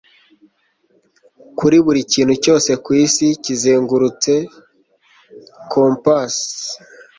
kuri buri kintu cyose kwisi kizengurutse kompas